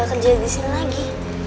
gak kerja di sini lagi